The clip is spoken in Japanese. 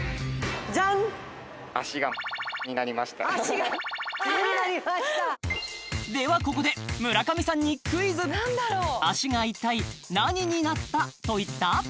ジャン足が○○になりましたではここで村上さんにクイズ足が一体何になったといった？